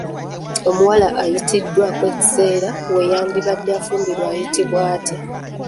Omuwala ayitiddwako ekiseera we yandibadde afumbirirwa ayitibwa atya?